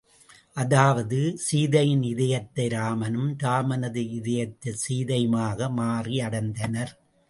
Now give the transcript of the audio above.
அதாவது, சீதையின் இதயத்தை இராமனும் இராமனது இதயத்தைச் சீதையுமாக மாறி அடைந்தனர்.